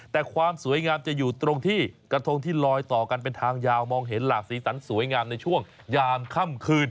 แต่ความสวยงามจะอยู่ตรงที่กระทงที่ลอยต่อกันเป็นทางยาวมองเห็นหลากสีสันสวยงามในช่วงยามค่ำคืน